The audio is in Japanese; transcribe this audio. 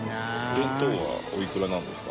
弁当はおいくらなんですか？